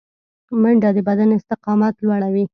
منډه د بدن استقامت لوړوي